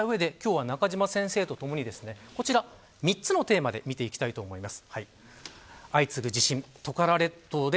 このあたりを踏まえた上で今日は中島先生とともに３つのテーマで見ていきたいと思います。